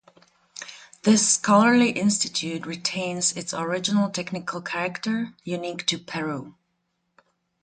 This scholarly institute retains its original technical character, unique to Peru.